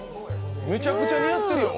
めちゃくちゃ似合ってるよ。